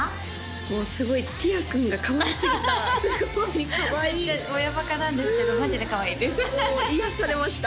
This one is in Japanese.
もうすごいティア君がかわいすぎたすごいかわいいめっちゃ親バカなんですけどマジでかわいいですうん癒やされました